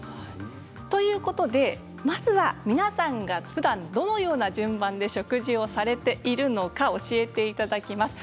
ということでまずは皆さんがふだん、どのような順番で食事をされているのか教えていただきます。